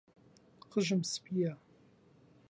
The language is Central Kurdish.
قژم سپییە.